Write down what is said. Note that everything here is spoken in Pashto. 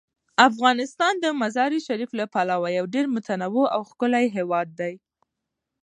افغانستان د مزارشریف له پلوه یو ډیر متنوع او ښکلی هیواد دی.